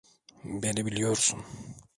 Beni biliyorsun.